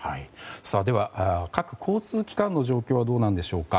では、各交通機関の状況はどうなんでしょうか。